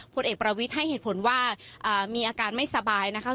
ผลเอกประวิทย์ให้เหตุผลว่ามีอาการไม่สบายนะคะ